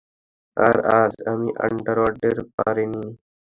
আর আজ আমি আন্ডারওয়্যার পরি নি।